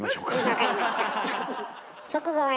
分かりました。